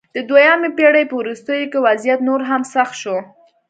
د دویمې پېړۍ په وروستیو کې وضعیت نور هم سخت شو